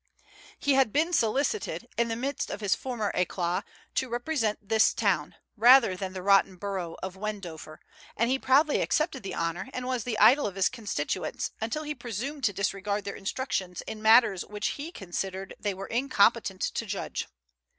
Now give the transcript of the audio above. He had been solicited, in the midst of his former éclat, to represent this town, rather than the "rotten borough" of Wendover; and he proudly accepted the honor, and was the idol of his constituents until he presumed to disregard their instructions in matters of which he considered they were incompetent to judge.